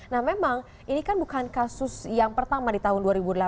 nah memang ini kan bukan kasus yang pertama di tahun dua ribu delapan belas